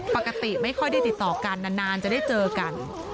ปกติไม่ค่อยได้ติดต่อกันนานจะได้เจอกัน